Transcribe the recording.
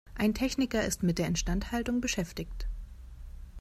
Ein Techniker ist mit der Instandhaltung beschäftigt.